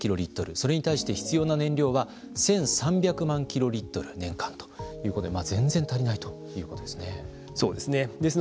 それに対して必要な燃料は１３００万キロリットル年間ということでそうですね。